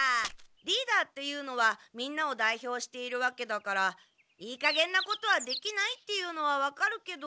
リーダーっていうのはみんなを代表しているわけだからいいかげんなことはできないっていうのはわかるけど。